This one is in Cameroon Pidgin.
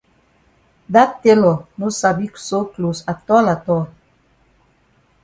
Dat tailor no sabi sew closs atol atol.